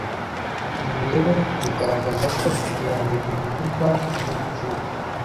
Ibi rero biragaragaza ko iterambere rivugwa ari icyuka